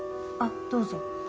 あっどうぞ。